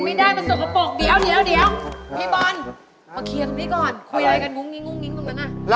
คุยอะไรกันงุ้งตรงนั้น